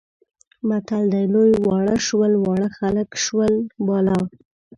متل دی لوی واړه شول، واړه خلک شول بالا.